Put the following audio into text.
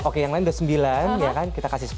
oke yang lain udah sembilan ya kan kita kasih sepuluh